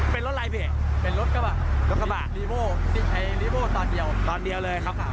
เป็นรถลายเพลงเป็นรถกระบะรถกระบะตอนเดียวตอนเดียวเลยครับ